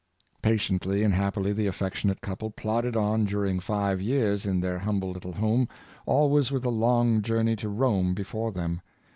Patiently and happily the affectionate couple plodded on during five years in their humble little home, always with the long journey to Rome before them.